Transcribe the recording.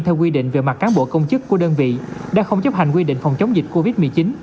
theo quy định về mặt cán bộ công chức của đơn vị đã không chấp hành quy định phòng chống dịch covid một mươi chín